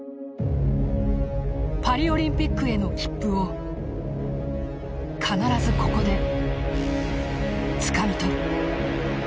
パリオリンピックへの切符を必ずここでつかみ取る。